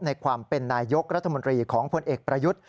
ในความเป็นนายยกรัฐมนตรีของพลเอกประยุทธ์